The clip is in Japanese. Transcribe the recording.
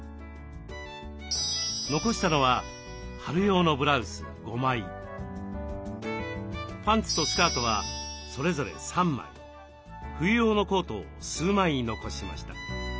残したのはパンツとスカートはそれぞれ３枚冬用のコートを数枚残しました。